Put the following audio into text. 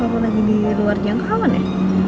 walaupun lagi di luar jangkauan ya